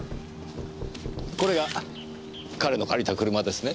これが彼の借りた車ですね？